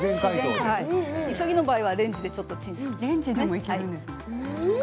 急ぎの場合はレンジでちょっとチンする。